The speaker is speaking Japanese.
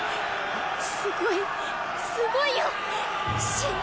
すごいすごいよ信！